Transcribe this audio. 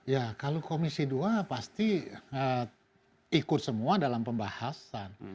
ya kalau komisi dua pasti ikut semua dalam pembahasan